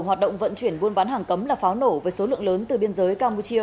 hoạt động vận chuyển buôn bán hàng cấm là pháo nổ với số lượng lớn từ biên giới campuchia